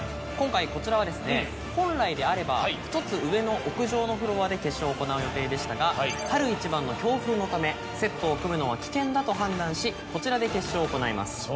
今回こちらは本来であれば１つ上の屋上のフロアで決勝を行う予定でしたが春一番の強風のためセットを組むのは危険だと判断しこちらで決勝を行います。